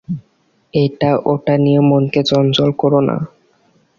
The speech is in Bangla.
এটা ওটা নিয়ে মনকে চঞ্চল করো না।